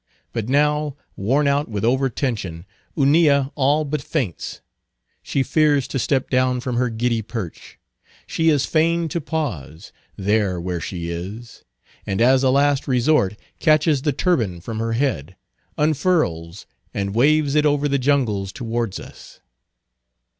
But now, worn out with over tension, Hunilla all but faints; she fears to step down from her giddy perch; she is fain to pause, there where she is, and as a last resort catches the turban from her head, unfurls and waves it over the jungles towards us.